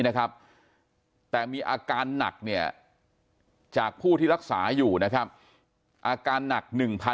นะครับแต่มีอาการหนักเนี่ยจากผู้ที่รักษาอยู่นะครับอาการหนัก๑๐๐